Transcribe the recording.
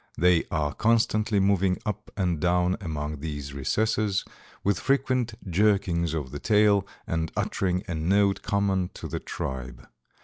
They are constantly moving up and down among these recesses, with frequent jerkings of the tail, and uttering a note common to the tribe.